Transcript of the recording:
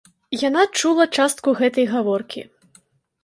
Яна чула частку гэтай гаворкі.